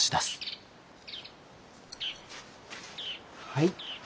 はい。